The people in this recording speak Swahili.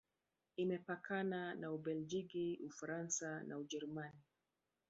Imepakana na Ubelgiji, Ufaransa na Ujerumani.